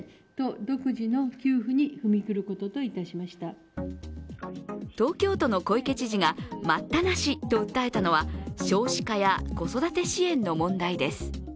東芝東京都の小池知事が待ったなしと訴えたのは少子化や子育て支援の問題です。